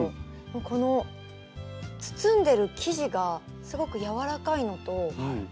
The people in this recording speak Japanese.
この包んでる生地がすごく柔らかいのと。